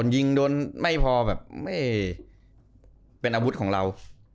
ยิงโดนไม่พอแบบไม่เป็นอาวุธของเรา